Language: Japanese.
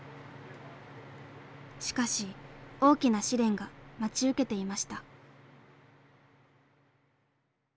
しかし大きな試練が待ち受けていました。